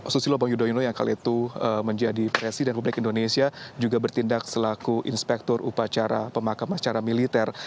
susilo bang yudhoyono yang kali itu menjadi presiden publik indonesia juga bertindak selaku inspektur upacara pemakam acara militer